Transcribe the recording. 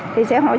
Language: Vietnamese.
thì sẽ hỏi các em